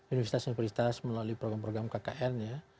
universitas universitas melalui program program kkn ya